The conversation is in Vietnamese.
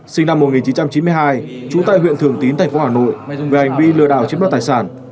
sinh năm một nghìn chín trăm chín mươi hai trú tại huyện thường tín tp hà nội về hành vi lừa đảo chiếm đoạt tài sản